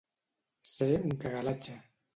Ser un cagalatxa.